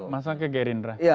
masa ke gerindra